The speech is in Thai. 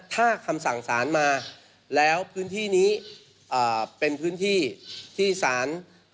ถ้าคำสั่งสารมาแล้วพื้นที่นี้เป็นพื้นที่ที่สาร